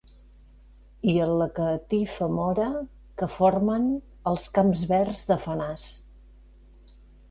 I en la catifa mora que formen els camps verds de fenàs.